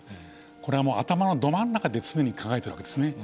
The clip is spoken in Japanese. これはもう頭のど真ん中で常に考えているわけですね。